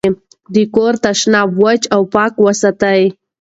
د کور تشناب وچ او پاک وساتئ.